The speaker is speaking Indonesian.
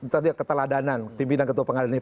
tadi keteladanan pimpinan ketua pengadilan